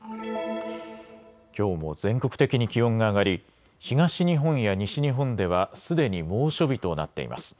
きょうも全国的に気温が上がり東日本や西日本ではすでに猛暑日となっています。